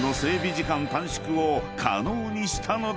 時間短縮を可能にしたのだ］